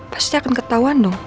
pasti akan ketauan